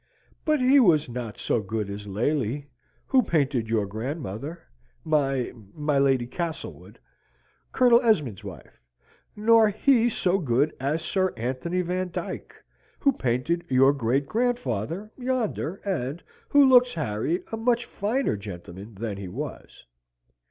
But he was not so good as Lely, who painted your grandmother my my Lady Castlewood, Colonel Esmond's wife; nor he so good as Sir Anthony Van Dyck, who painted your great grandfather, yonder and who looks, Harry, a much finer gentleman than he was.